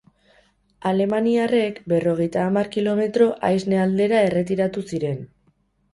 Alemaniarrek berrogeita hamar kilometro Aisne aldera erretiratu ziren.